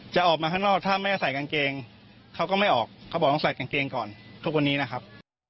จะออกมาข้างนอกถ้าไม่ใส่กางเกงเขาก็ไม่ออกเขาบอกต้องใส่กางเกงก่อนทุกวันนี้นะครับ